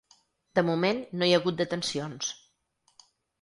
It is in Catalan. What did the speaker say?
De moment, no hi ha hagut detencions.